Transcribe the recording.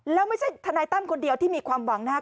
แล้วไม่ใช่ทนายตั้มคนเดียวที่มีความหวังนะครับ